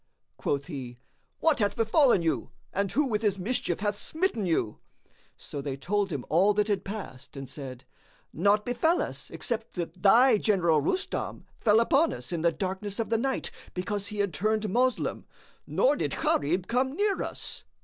Quoth he, "What hath befallen you and who with his mischief hath smitten you?" So they told him all that had passed and said, "Naught befel us except that thy general Rustam, fell upon us in the darkness of the night because he had turned Moslem; nor did Gharib come near us."